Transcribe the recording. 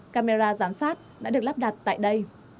camera giám sát đã được lắp đặt tại đây